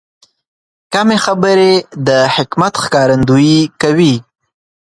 کمې خبرې، د حکمت ښکارندویي کوي.